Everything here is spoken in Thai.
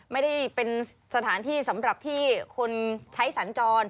ไม่ได้เป็นสถานที่สำหรับที่คนใช้สัญจร